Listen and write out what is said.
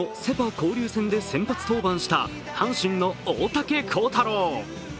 交流戦で先発登板した阪神の大竹耕太郎。